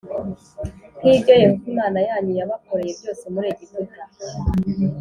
nk’ibyo Yehova Imana yanyu yabakoreye byose muri Egiputa